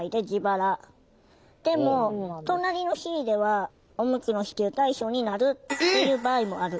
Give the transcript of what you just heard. でも隣の市ではおむつも支給対象になるっていう場合もある。